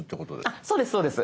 あっそうですそうです。